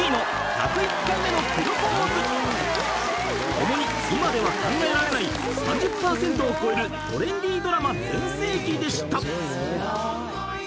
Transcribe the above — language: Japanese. ［共に今では考えられない３０％を超えるトレンディードラマ全盛期でした］